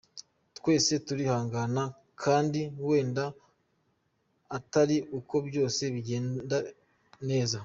Twese turihangana kandi wenda atari uko byose bigenda neza.